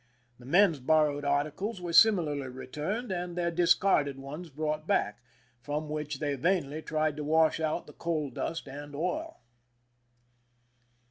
The men's borrowed articles were similarly returned and their discarded ones brought back, from which they vainly tried to wash out the coal dust and oil.